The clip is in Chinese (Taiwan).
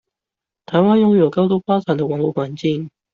臺灣擁有高度發展的網路環境